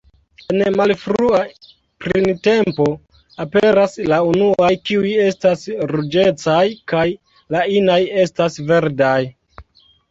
En malfrua printempo aperas la unuaj; kiuj estas ruĝecaj kaj la inaj estas verdaj.